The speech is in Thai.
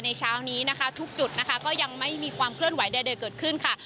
เช้านี้นะคะทุกจุดนะคะก็ยังไม่มีความเคลื่อนไหวใดเกิดขึ้นค่ะ